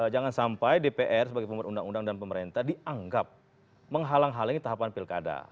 jangan sampai dpr sebagai pemerintah dan pemerintah dianggap menghalang halangi tahapan pilkada